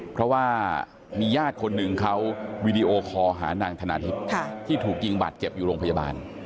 เพราะว่ามีญาติคนหนึ่งเขาวีดีโอคอหานางธนาทิพย์ที่ถูกยิงบาดเจ็บอยู่โรงพยาบาล